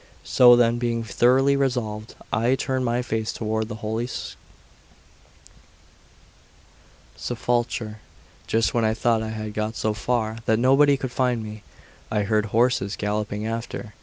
So then, being thoroughly resolved, I turned my face toward the Holy Sepulchre. Just when I thought I had got so far that nobody could find me, I heard horses galloping after.